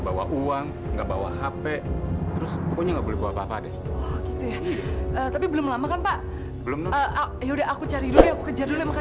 bagaimana kronologis yang sebenarnya mbak